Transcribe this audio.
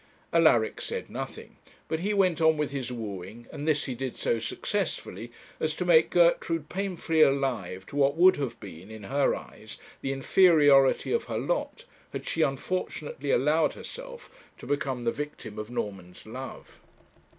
Alaric said nothing; but he went on with his wooing, and this he did so successfully, as to make Gertrude painfully alive to what would have been, in her eyes, the inferiority of her lot, had she unfortunately allowed herself to become the victim of Norman's love.